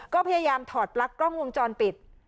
ก็พยายามถอดปลั๊กกล้องวงจรปิด